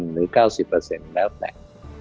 ๗๐๖๐หรือ๙๐แล้วแต่